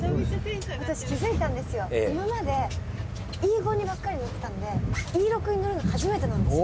私、気付いたんですよ、今までＥ５にばっかり乗ってたんで、Ｅ６に乗るのが初めてなんですよ。